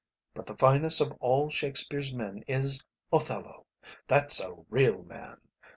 But the finest of all Shakespeare's men is Othello. That's a real man.